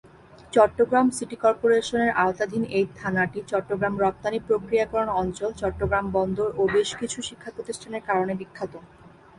Chittagong city কর্পোরেশনের আওতাধীন এই থানাটি চট্টগ্রাম রপ্তানি প্রক্রিয়াকরণ অঞ্চল, চট্টগ্রাম বন্দর ও বেশকিছু শিক্ষা প্রতিষ্ঠানের কারণে বিখ্যাত।